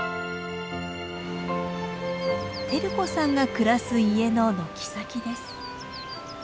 輝子さんが暮らす家の軒先です。